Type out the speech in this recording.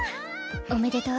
おめでとう。